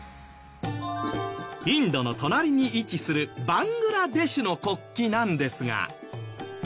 インドの隣に位置するバングラデシュの国旗なんですが。